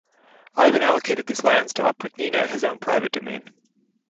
Ivan allocated these lands to Oprichnina, his own private domain.